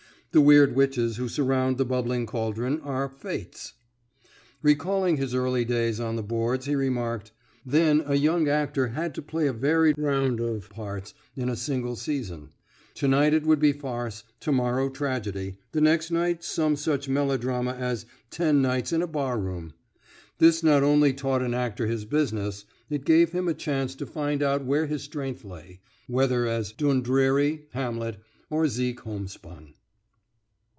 The weird witches who surround the bubbling caldron are Fates." Recalling his early days on the boards he remarked: "Then a young actor had to play a varied round of parts in a single season. To night it would be farce, to morrow tragedy, the next night some such melodrama as 'Ten Nights in a Bar room.' This not only taught an actor his business, it gave him a chance to find out where his strength lay, whether as Dundreary, Hamlet, or Zeke Homespun."